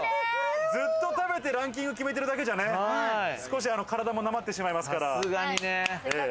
ずっと食べてランキング決めてるだけじゃね、少し体もなまってしまいますから。